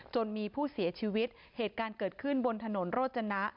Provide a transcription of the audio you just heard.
จนมีผู้เสียชีวิตเหตุการณ์เกิดขึ้นบนถนนโรจนะ